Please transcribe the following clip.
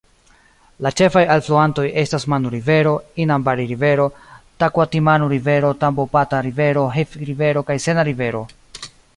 La ĉefaj alfluantoj estas Manu-Rivero, Inambari-Rivero, Takuatimanu-Rivero, Tambopata-Rivero, Heath-Rivero kaj Sena-Rivero.